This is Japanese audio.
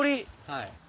はい。